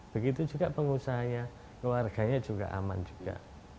begitu juga pengusahanya keluarganya juga aman juga